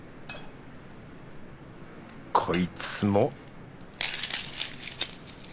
こいつも